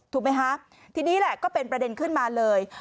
ถูกไหมคะทีนี้แหละก็เป็นประเด็นขึ้นมาเลย